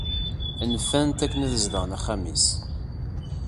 Nfan-t akken ad zedɣen axxam-is.